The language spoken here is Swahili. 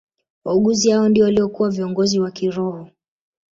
Waaguzi hao ndio waliokuwa viongozi wa kiroho